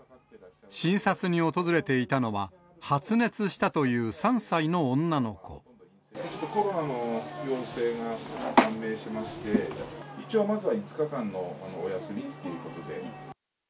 診察に訪れていたのは、コロナの陽性が判明しまして、一応まずは５日間のお休みっていうことで。